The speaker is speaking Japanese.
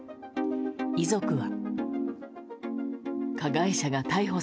遺族は。